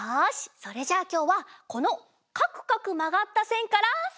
それじゃあきょうはこのかくかくまがったせんからスタート！